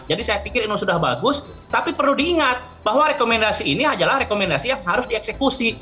jadi saya pikir ini sudah bagus tapi perlu diingat bahwa rekomendasi ini adalah rekomendasi yang harus dieksekusi